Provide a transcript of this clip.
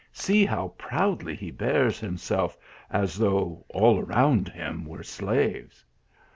" See how proudly he bears himself, as though all around him were his slaves